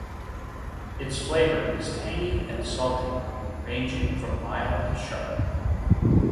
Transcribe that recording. Its flavor is tangy and salty, ranging from mild to sharp.